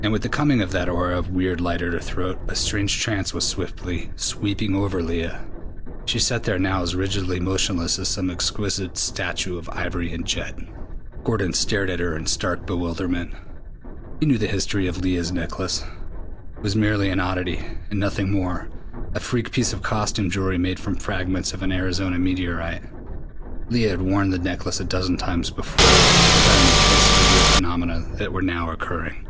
And with the coming of that aura of weird light at her throat, a strange trance was swiftly sweeping over Leah. She sat there now as rigidly motionless as some exquisite statue of ivory and jet. Gordon stared at her in stark bewilderment. He knew the history of Leah's necklace. It was merely an oddity, and nothing more a freak piece of costume jewelry made from fragments of an Arizona meteorite. Leah had worn the necklace a dozen times before, without any trace of the weird phenomena that were now occurring.